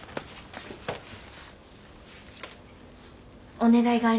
お願いがあります。